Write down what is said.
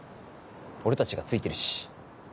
俺たちがついてるし。